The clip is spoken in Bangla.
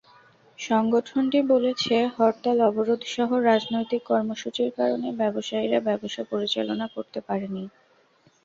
সংগঠনটি বলেছে, হরতাল-অবরোধসহ রাজনৈতিক কর্মসূচির কারণে ব্যবসায়ীরা ব্যবসা পরিচালনা করতে পারেনি।